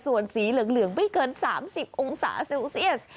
ส่วนสีเหลืองไม่เกิน๓๐องศาเซลเซียส